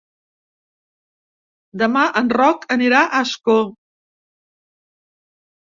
Demà en Roc anirà a Ascó.